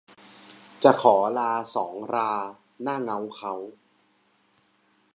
จะขอลาสองราหน้าเง้าเค้า